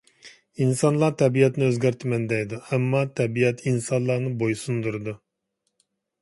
ئىنسانلار تەبىئەتنى ئۆزگەرتىمەن دەيدۇ، ئەمما تەبىئەت ئىنسانلارنى بويسۇندۇرىدۇ.